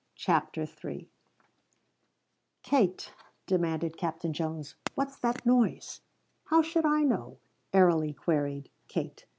CHAPTER III "Kate," demanded Captain Jones, "what's that noise?" "How should I know?" airily queried Kate.